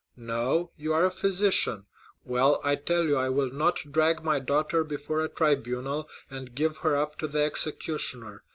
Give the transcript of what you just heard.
No, you are a physician! Well, I tell you I will not drag my daughter before a tribunal, and give her up to the executioner!